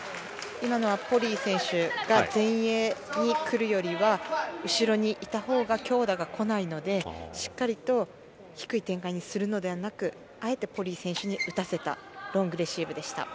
今のはポリイ選手が前衛に来るよりは後ろにいたほうが強打が来ないのでしっかりと低い展開にするのではなくあえてポリイ選手に打たせたロングレシーブでした。